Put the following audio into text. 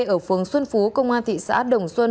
ở phường xuân phú công an thị xã đồng xuân